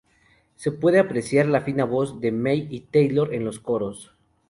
Se puede apreciar la fina voz de May y Taylor en los coros.